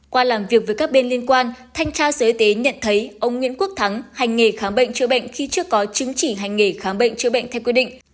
qua làm việc với các bên liên quan thanh tra sở y tế nhận thấy ông nguyễn quốc thắng hành nghề khám bệnh chữa bệnh khi chưa có chứng chỉ hành nghề khám bệnh chữa bệnh theo quy định